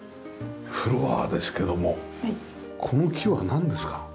フロアですけどもこの木はなんですか？